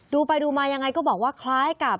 ดูไปดูมายังไงก็บอกว่าคล้ายกับ